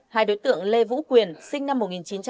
hai đối tượng lê vũ quyền sinh năm một nghìn chín trăm tám mươi